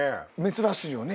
珍しいよね